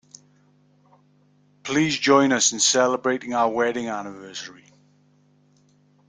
Please join us in celebrating our wedding anniversary